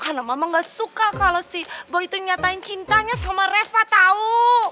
karena mama gak suka kalau sih boy itu nyatain cintanya sama reva tau